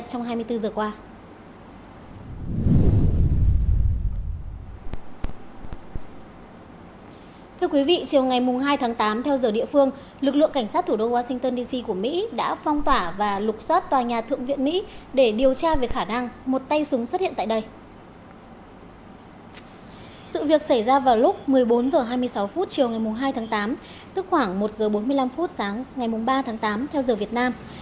sự việc xảy ra vào lúc một mươi bốn h hai mươi sáu chiều ngày hai tháng tám tức khoảng một h bốn mươi năm sáng ngày ba tháng tám theo giờ việt nam